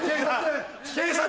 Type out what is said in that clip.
警察！